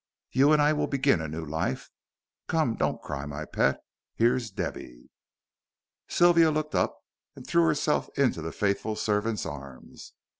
You and I will begin a new life. Come, don't cry, my pet. Here's Debby." Sylvia looked up, and threw herself into the faithful servant's arms.